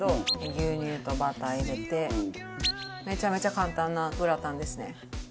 「牛乳とバター入れて」「めちゃめちゃ簡単なグラタンですね」